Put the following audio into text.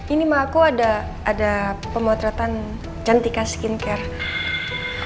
ini mak aku ada ada pemotretan jantika skincare